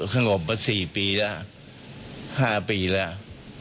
ข้างออกมา๔ปีแล้ว๕ปีแล้ว